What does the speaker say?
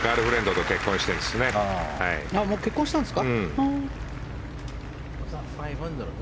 もう結婚したんですか。